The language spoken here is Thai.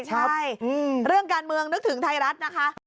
ใช่เรื่องการเมืองนึกถึงไทยรัฐนะคะ